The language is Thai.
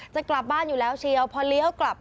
จะกลับบ้านอยู่แล้วเชียวพอเลี้ยวกลับ